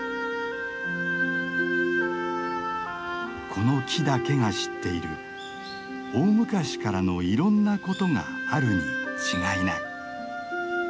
この木だけが知っている大昔からのいろんなことがあるに違いない。